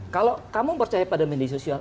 kalau kamu percaya pada media sosial